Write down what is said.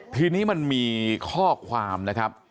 ทีนี้มันมีข้อความนะครับ